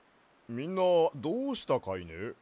みんなどうしたかいね？